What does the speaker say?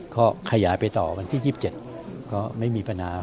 ก็ขยายไปต่อวันที่๒๗ก็ไม่มีปัญหา